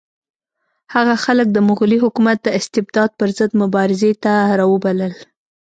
هغه خلک د مغلي حکومت د استبداد پر ضد مبارزې ته راوبلل.